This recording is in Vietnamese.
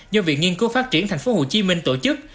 do viện nghiên cố phát triển thành phố hồ chí minh tổ chức